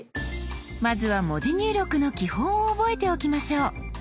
まずは文字入力の基本を覚えておきましょう。